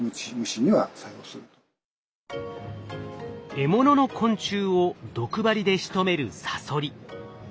獲物の昆虫を毒針でしとめるサソリ。